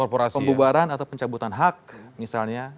pembubaran atau pencabutan hak misalnya